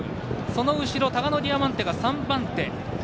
その後ろにタガノディアマンテが３番手。